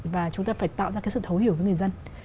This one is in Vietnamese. và chúng ta phải tạo ra cái sự thấu hiểu với người dân